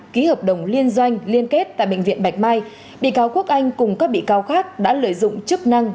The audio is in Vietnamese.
ký hợp đồng liên doanh liên kết tại bệnh viện bạch mai bị cáo quốc anh cùng các bị cáo khác đã lợi dụng chức năng